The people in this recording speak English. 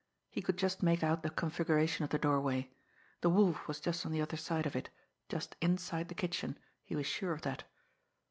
He could just make out the configuration of the doorway. The Wolf was just on the other side of it, just inside the kitchen, he was sure of that.